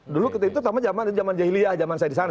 dulu ketika itu sama zaman jahiliah zaman saya di sana